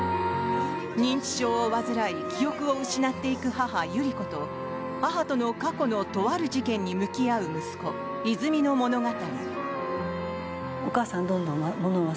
認知症を患い記憶を失っていく母・百合子と母との過去のとある事件に向き合う息子・泉の物語。